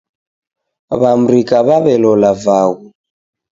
W'amrika w'aw'elola vaghu